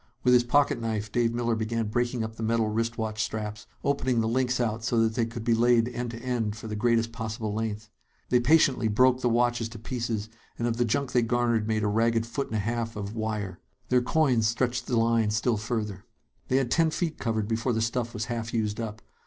With his pocket knife, Dave Miller began breaking up the metal wrist watch straps, opening the links out so that they could be laid end to end for the greatest possible length. They patiently broke the watches to pieces, and of the junk they garnered made a ragged foot and a half of "wire." Their coins stretched the line still further. They had ten feet covered before the stuff was half used up.